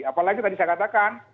apalagi tadi saya katakan